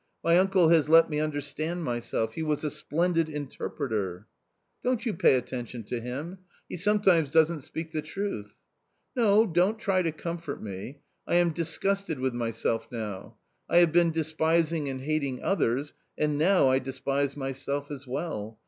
My uncle has let me understand myself; he was a splendid interpreter !"" Don't you pay attention to him ; he sometimes doesn't speak the truth." " No, don't try to comfort me. I am disgusted with my self now. I have been despising and hating others, and now I despise myself as well.